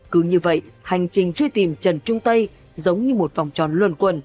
cứ như vậy hành trình truy tìm trần trung tây giống như một vòng tròn luồn quần